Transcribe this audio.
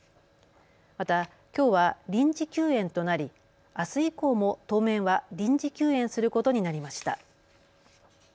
また、きょうは臨時休園となりあす以降も当面は臨時休園することになりました。